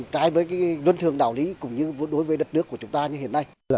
trái với luân thường đạo lý cũng như đối với đất nước của chúng ta như hiện nay